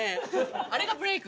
あれがブレーク？